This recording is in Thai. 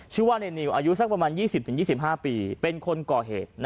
ชื่อว่าในนิวอายุสักประมาณ๒๐๒๕ปีเป็นคนก่อเหตุ